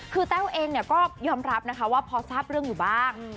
คือแต้วเองก็ยอมรับนะคะว่าพอทราบเรื่องอยู่บ้าง